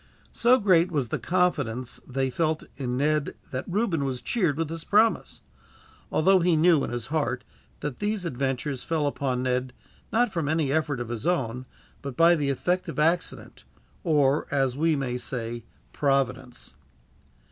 So great was the confidence which they felt in Ned that Reuben was cheered with this promise; although he knew, in his heart, that these adventures fell upon Ned not from any effort of his own, but by the effect of accident; or, as we may say, Providence.